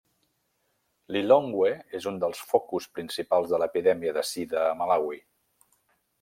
Lilongwe és un dels focus principals de l'epidèmia de sida a Malawi.